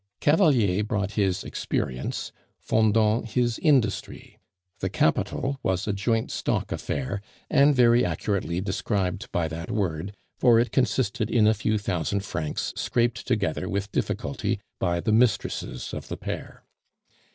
Cavalier brought his experience, Fendant his industry; the capital was a joint stock affair, and very accurately described by that word, for it consisted in a few thousand francs scraped together with difficulty by the mistresses of the pair.